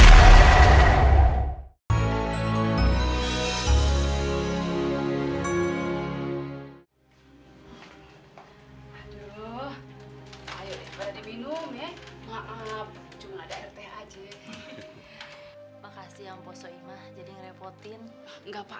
aduh ayo diminum ya maaf cuma ada rta aja makasih yang poso imah jadi ngerepotin enggak